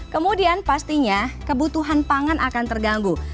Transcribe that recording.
kemudian pastinya kebutuhan pangan akan terganggu